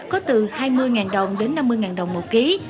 có từ hai mươi đồng đến năm mươi đồng một ký